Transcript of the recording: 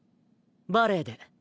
バレエで。